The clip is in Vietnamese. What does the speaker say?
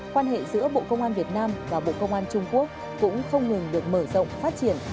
quan hệ giữa bộ công an việt nam và bộ công an trung quốc cũng không ngừng được mở rộng phát triển